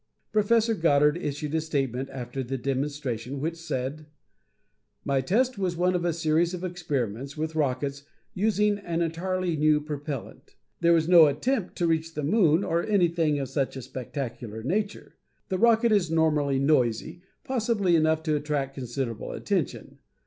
Prof. Goddard issued a statement after the demonstration, which said: "My test was one of a series of experiments with rockets using an entirely new propellant. There was no attempt to reach the moon or anything of such a spectacular nature. The rocket is normally noisy, possibly enough to attract considerable attention.